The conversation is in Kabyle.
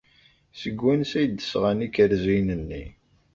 Seg wansi ay d-sɣan ikerziyen-nni?